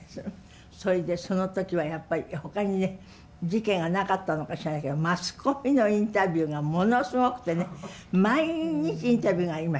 それでその時はやっぱりほかにね事件がなかったのか知らないけどマスコミのインタビューがものすごくてね毎日インタビューがありました。